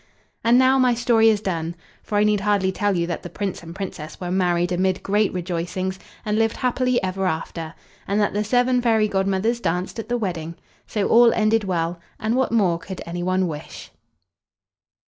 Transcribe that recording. And now my story is done, for I need hardly tell you that the Prince and Princess were married amid great rejoicings, and lived happily ever after; and that the seven fairy godmothers danced at the wedding. So all ended well, and what more could anyone wish?